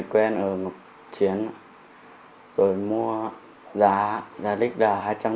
người quen ở ngọc chiến rồi mua giá đích là hai trăm năm mươi